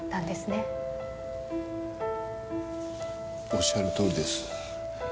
おっしゃるとおりです。